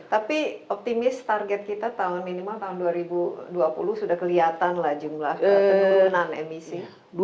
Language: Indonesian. tapi optimis target kita tahun minimal tahun dua ribu dua puluh sudah kelihatan lah jumlah penurunan emisi